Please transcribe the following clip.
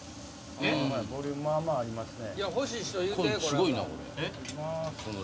ボリュームまぁまぁありますね。